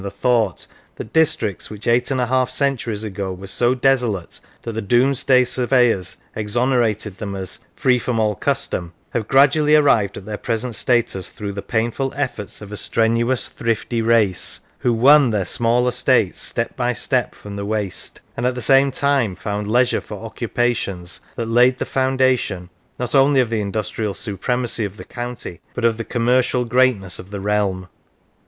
the thought that districts which eight and a half centuries ago were so desolate that the Domesday surveyors exonerated them as " free from all custom," have gradually arrived at their present status through the painful efforts of a strenuous, thrifty race who won their small estates step by step from the waste, and at the same time found leisure for occupa tions that laid the foundation, not only of the industrial supremacy of the county, but of the commercial greatness of the realm.